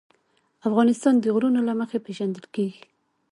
افغانستان د غرونه له مخې پېژندل کېږي.